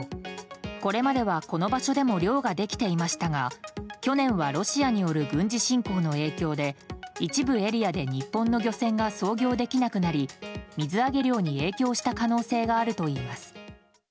これまでは、この場所でも漁ができていましたが去年はロシアによる軍事侵攻の影響で一部エリアで日本の漁船が操業できなくなり水揚げ量に影響した可能性があるといいます。